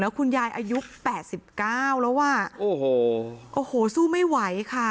แล้วคุณยายอายุแปดสิบเก้าแล้วว่าโอ้โหโอ้โหสู้ไม่ไหวค่ะ